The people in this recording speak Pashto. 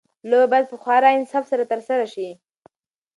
لوبه باید په خورا انصاف سره ترسره شي.